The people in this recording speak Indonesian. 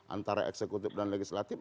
antara eksekutif dan legislatif